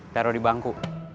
taruh di bangku